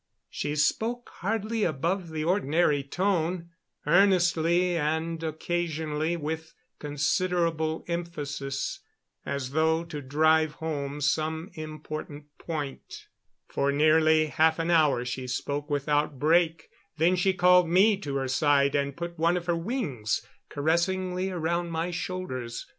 She spoke hardly above the ordinary tone, earnestly, and occasionally with considerable emphasis, as though to drive home some important point. For nearly half an hour she spoke without a break, then she called me to her side and put one of her wings caressingly about my shoulders.